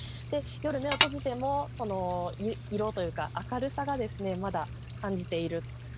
で夜目を閉じても色というか明るさがまだ感じていると。